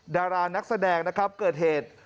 ดารานักแสดงเกิดเหตุ